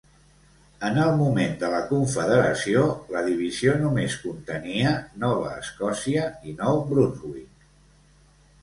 En el moment de la confederació, la divisió només contenia Nova Escòcia i Nou Brunswick.